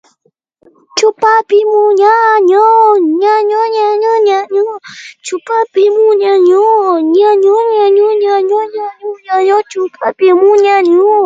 Contrary to Porsche, Ferrari did not organise an intramural competition.